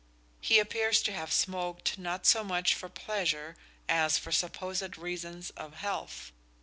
He appears to have smoked not so much for pleasure as for supposed reasons of health.